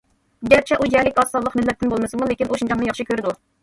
گەرچە ئۇ يەرلىك ئاز سانلىق مىللەتتىن بولمىسىمۇ، لېكىن ئۇ شىنجاڭنى ياخشى كۆرىدۇ.